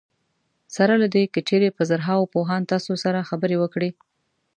سره له دې که چېرې په زرهاوو پوهان تاسو سره خبرې وکړي.